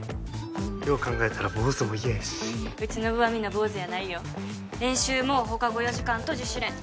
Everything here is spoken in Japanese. よう考えたら坊主も嫌やしうちの部はみんな坊主やないよ練習も放課後４時間と自主練